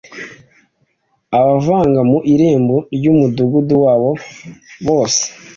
abavaga mu irembo ry umudugudu wabo bose